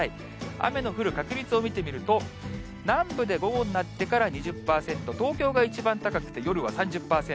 雨の降る確率を見てみると、南部で午後になってから２０％、東京が一番高くて夜は３０％。